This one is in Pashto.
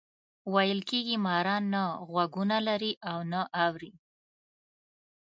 ویل کېږي ماران نه غوږونه لري او نه اوري.